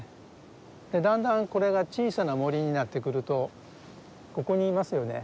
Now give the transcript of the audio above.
だんだんこれが小さな森になってくるとここにいますよね。